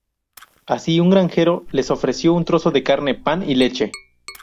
Así un granjero les ofreció un trozo de carne, pan y leche.